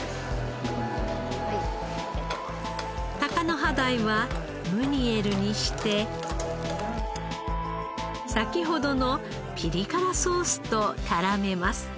タカノハダイはムニエルにして先ほどのピリ辛ソースと絡めます。